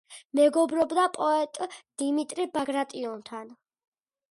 მეგობრობდა პოეტ დიმიტრი ბაგრატიონთან.